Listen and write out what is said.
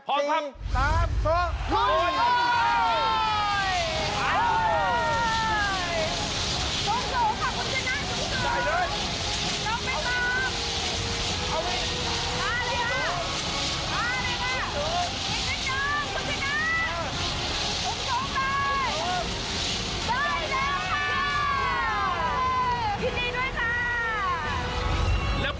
พร้อมครับ